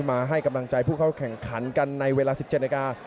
มาให้กำลังใจผู้เข้าแข่งขันกันในเวลา๑๗นาที